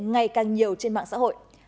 ngày càng nhiều trên mạng xã hội